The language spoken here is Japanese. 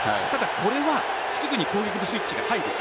これはすぐに攻撃のスイッチが入る。